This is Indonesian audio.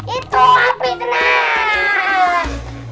itu mapi tenang